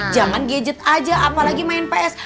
jangan gadget aja apalagi main ps